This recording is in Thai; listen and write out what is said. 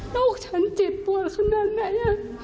ลูกฉันเจ็บปวดขนาดไหน